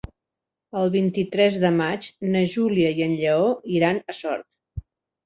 El vint-i-tres de maig na Júlia i en Lleó iran a Sort.